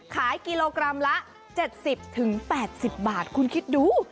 ขายกิโลกรัมละ๗๐๘๐บาทคุณคิดดู